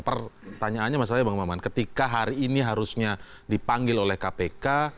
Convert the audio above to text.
pertanyaannya masalahnya bang maman ketika hari ini harusnya dipanggil oleh kpk